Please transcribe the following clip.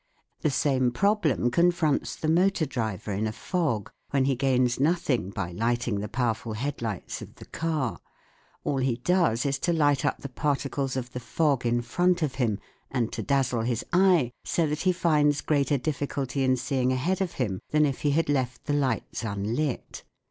The same problem confronts the motor driver in a fog, when he gains nothing by lighting the powerful head lights of the car : all he does is to light up the par ticles of the fog in front of him, and to dazzle his eye so that he finds greater difficulty in seeing ahead of him than if he had left the lights unlit.